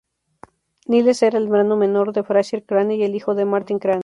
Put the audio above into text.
Niles es el hermano menor de Frasier Crane y el hijo de Martin Crane.